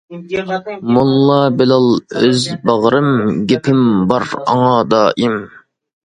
موللا بىلال ئۆز باغرىم، گېپىم بار ئاڭا دائىم.